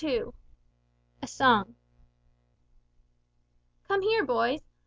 II A SONG "Come here, boys.